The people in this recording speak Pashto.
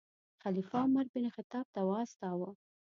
خلیفه عمر بن خطاب ته واستاوه.